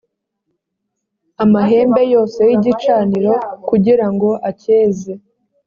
amahembe yose y’igicaniro kugira ngo acyeze